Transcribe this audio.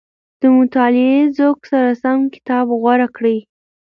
د مطالعې ذوق سره سم کتاب غوره کړئ.